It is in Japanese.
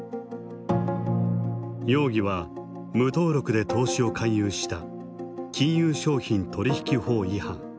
容疑は無登録で投資を勧誘した金融商品取引法違反。